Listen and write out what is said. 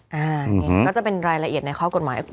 อันนี้ก็จะเป็นรายละเอียดในข้อกฎหมาย